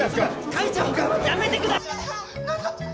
会長やめてください！